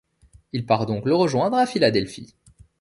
Il part donc le rejoindre à Philadelphie.